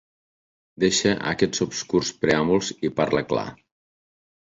Deixa aquests obscurs preàmbuls i parla clar.